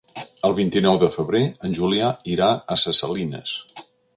El vint-i-nou de febrer en Julià irà a Ses Salines.